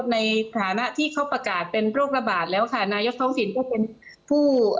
ในฐานะที่เขาประกาศเป็นโรคระบาดแล้วค่ะนายกท้องสินก็เป็นผู้